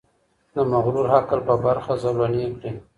د مغرور عقل په برخه زولنې کړي